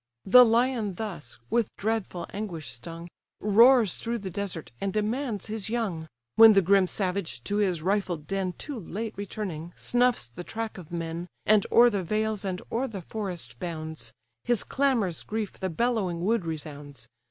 The lion thus, with dreadful anguish stung, Roars through the desert, and demands his young; When the grim savage, to his rifled den Too late returning, snuffs the track of men, And o'er the vales and o'er the forest bounds; His clamorous grief the bellowing wood resounds.